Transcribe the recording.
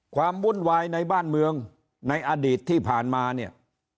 วุ่นวายในบ้านเมืองในอดีตที่ผ่านมาเนี่ย